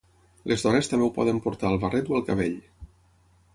Les dones també ho poden portar al barret o al cabell.